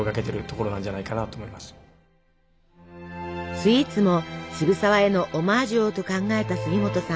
スイーツも渋沢へのオマージュをと考えた杉本さん。